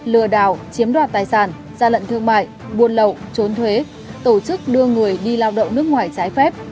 lừa đảo chiếm đoạt tài sản gia lận thương mại buôn lậu trốn thuế tổ chức đưa người đi lao động nước ngoài trái phép